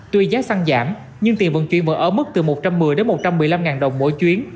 tuy giá xăng giảm nhưng tiền vận chuyển vẫn ở mức từ một trăm một mươi đến một trăm một mươi năm ngàn đồng mỗi chuyến